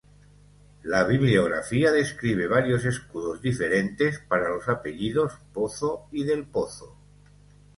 La bibliografía describe varios escudos diferentes para los apellidos "Pozo" y "del Pozo"'.